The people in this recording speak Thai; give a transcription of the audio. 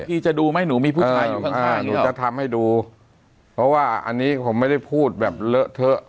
จะดูไหมหนูมีผู้ชายอยู่ข้างข้างหนูจะทำให้ดูเพราะว่าอันนี้ผมไม่ได้พูดแบบเลอะเทอะ